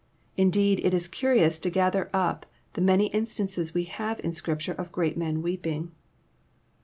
Indeed, it is curious to gather up the many instan ces we have in Scripture of great men weeping.